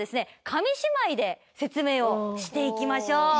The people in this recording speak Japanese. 紙芝居で説明をして行きましょう。